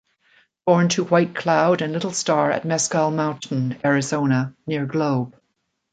Born to White Cloud and Little Star at Mescal Mountain, Arizona, near Globe.